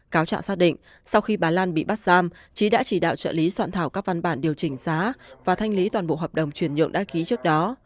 cáo trạng xác định sau khi bà lan bị bắt giam trí đã chỉ đạo trợ lý soạn thảo các văn bản điều chỉnh giá và thanh lý toàn bộ hợp đồng chuyển nhượng đã ký trước đó